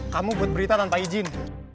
kamu buat berita tanpa izin